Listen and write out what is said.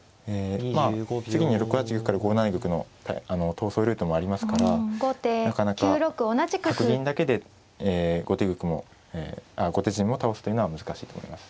次に６八玉から５七玉の逃走ルートもありますからなかなか角銀だけで後手陣を倒すというのは難しいと思います。